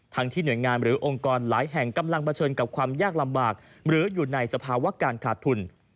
ที่หน่วยงานหรือองค์กรหลายแห่งกำลังเผชิญกับความยากลำบากหรืออยู่ในสภาวะการขาดทุน